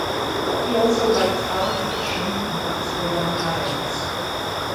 He also writes adult fiction and books for young adults.